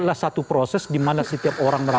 buatlah satu proses di mana setiap orang melihat